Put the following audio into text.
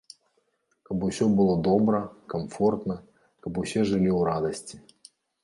Каб усё было добра, камфортна, каб усе жылі ў радасці.